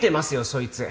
そいつ